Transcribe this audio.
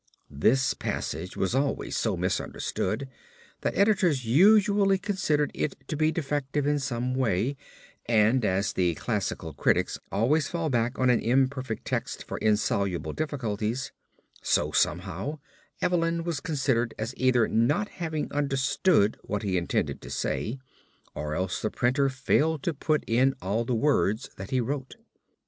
This passage was always so misunderstood that editors usually considered it to be defective in some way and as the classical critics always fall back on an imperfect text for insoluble difficulties, so somehow Evelyn was considered as either not having understood what he intended to say, or else the printer failed to put in all the words that he wrote.